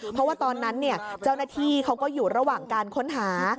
เพราะว่าตอนนั้นเจ้าหน้าที่เขาก็อยู่ระหว่างการค้นหา